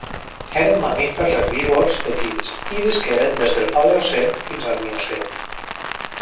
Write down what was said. Eren mamífers herbívors petits i visqueren des del Paleocè fins al Miocè.